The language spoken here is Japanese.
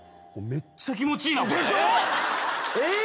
めっちゃ気持ちいいんすよ。